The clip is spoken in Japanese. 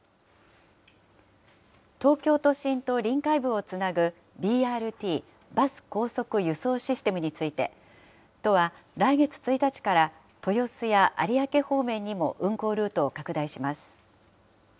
東京都心と臨海部をつなぐ、ＢＲＴ・バス高速輸送システムについて、都は来月１日から豊洲や有明方面にも運行ルートを拡大します。